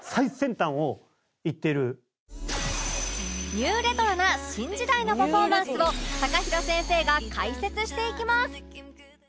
ニューレトロな新時代のパフォーマンスを ＴＡＫＡＨＩＲＯ 先生が解説していきます